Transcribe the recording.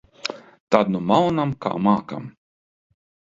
Tad nu maunam, kā mākam.